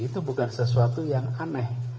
itu bukan sesuatu yang aneh